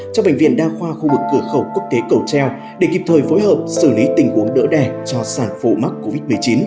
cho bệnh viện đa khoa khu vực cửa khẩu quốc tế cầu treo để kịp thời phối hợp xử lý tình huống đỡ đẻ cho sản phụ mắc covid một mươi chín